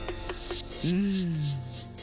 うん。